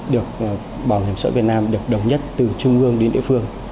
được bảo hiểm xã hội việt nam được đồng nhất từ trung ương đến địa phương